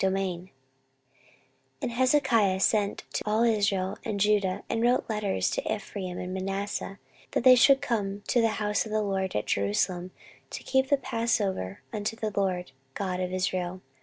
14:030:001 And Hezekiah sent to all Israel and Judah, and wrote letters also to Ephraim and Manasseh, that they should come to the house of the LORD at Jerusalem, to keep the passover unto the LORD God of Israel.